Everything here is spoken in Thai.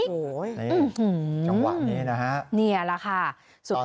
โอ้โหจังหวะนี้นะฮะนี่แหละค่ะสุดท้าย